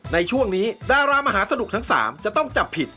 ในช่วงนี้ดารามหาสนุกทั้ง๓จะต้องจับผิด